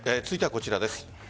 続いてはこちらです。